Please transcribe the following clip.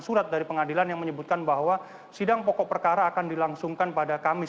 surat dari pengadilan yang menyebutkan bahwa sidang pokok perkara akan dilangsungkan pada kamis